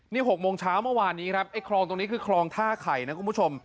นี่๖โมงเช้าเมื่อวานนี้ครับไอ้คลองตรงนี้คือคลองท่าไข่นะคุณผู้ชม